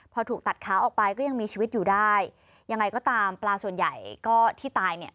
พอถูกตัดขาออกไปก็ยังมีชีวิตอยู่ได้ยังไงก็ตามปลาส่วนใหญ่ก็ที่ตายเนี่ย